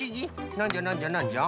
なんじゃなんじゃなんじゃ？